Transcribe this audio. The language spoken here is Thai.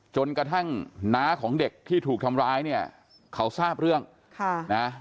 จนกระทั่งน้าของเด็กที่ถูกทำร้ายเนี่ยเขาทราบเรื่องค่ะนะ